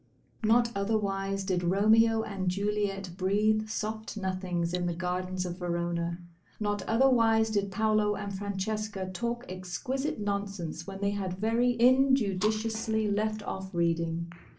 Not otherwise did Romeo and Juliet breathe soft nothings in the gardens of Verona. Not otherwise did Paolo and Francesca talk exquisite nonsense when they had very injudiciously left off reading.